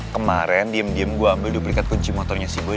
kemarin diem diem gue ambil duplikat kunci motornya si gue